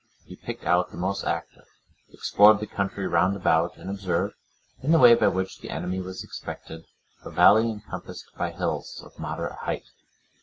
He picked out the most active, explored the country round about, and observed, in the way by which the enemy was expected, a valley encompassed by hills(98) of moderate height.